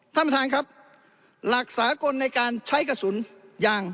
ท่านประธานครับหลักสากลในการใช้กระสุนยาง